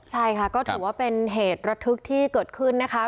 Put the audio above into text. ใช่ค่ะก็ถือว่าเป็นเหตุระทึกที่เกิดขึ้นนะคะ